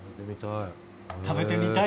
食べてみたい。